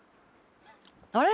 あれ？